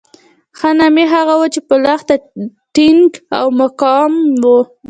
ښه نامي هغه وو چې په لښته ټینګ او مقاوم وو.